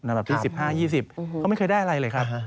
อันดับที่๑๕๒๐เขาไม่เคยได้อะไรเลยครับ